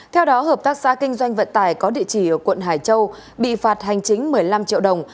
theo đó hợp tác xã kinh doanh vận tải có địa chỉ ở quận hải châu bị phạt hành chính một mươi năm triệu đồng